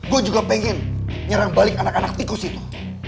gue juga pengen nyerang balik anak anak tikus itu